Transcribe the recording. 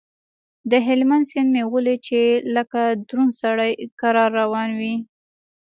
د هلمند سيند مې وليد چې لکه دروند سړى کرار روان و.